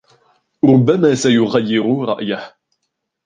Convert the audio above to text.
ربما سيغير رأيه.